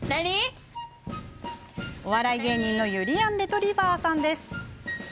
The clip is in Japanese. お笑い芸人のゆりやんレトリィバァさん。